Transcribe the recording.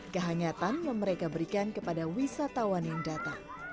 kehangatan yang mereka berikan kepada wisatawan yang datang